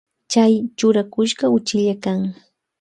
Chay churakushka uchilla kan.